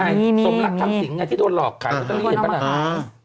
มี๔ด้วยเหรอมีสมรักทางสิงห์ที่โดนหลอกค่ะโคตรที่นักรอตรี